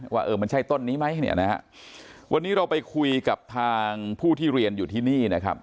ว่ามันใช่ต้นนี้ไหมวันนี้เราไปคุยกับทางผู้ที่เรียนอยู่ที่นี่